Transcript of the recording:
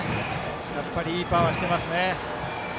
やっぱり、いいパワーしてますね。